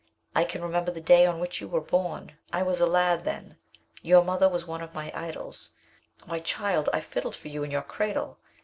I can remember the day on which you were born, I was a lad then. Your mother was one of my idols. Why, child, I fiddled for you in your cradle.